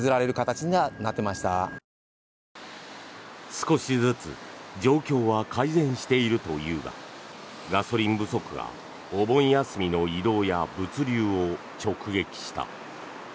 少しずつ状況は改善しているというがガソリン不足がお盆休みの移動や物流を直撃した。